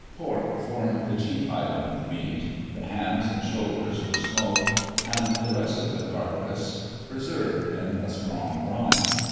Pork formed the chief item of meat. The hams and shoulders were smoked and the rest of the carcass preserved in a strong brine.